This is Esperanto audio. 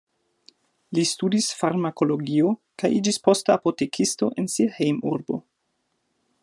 Li studis farmakologio kaj iĝis poste apotekisto en sia hejmurbo.